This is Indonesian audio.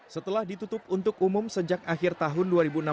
setelah ditutup untuk umum sejak akhir tahun dua ribu enam belas